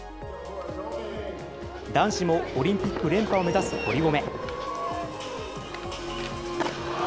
男子もオリンピック連覇を目指す堀米。